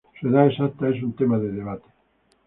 Su edad exacta es un tema de debate.